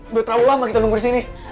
udah terlalu lama kita nunggu disini